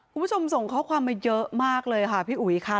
คุณผู้ชมส่งข้อความมาเยอะมากเลยค่ะพี่อุ๋ยค่ะ